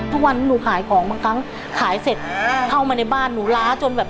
ทุกวันหนูขายของบางครั้งขายเสร็จเข้ามาในบ้านหนูล้าจนแบบ